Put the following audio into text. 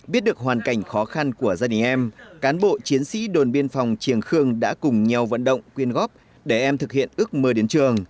biết được hoàn cảnh khó khăn của gia đình em cán bộ chiến sĩ đồn biên phòng triềng khương đã cùng nhau vận động quyên góp để em thực hiện ước mơ đến trường